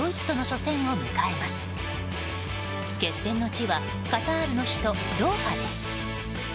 決戦の地はカタールの首都ドーハです。